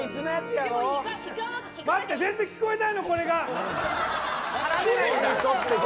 待って、全然聞こえないの！